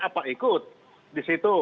apa ikut di situ